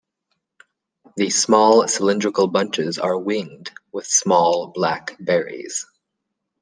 The small, cylindrical bunches are winged, with small black berries.